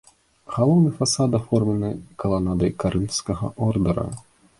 Галоўны фасад аформлены каланадай карынфскага ордара.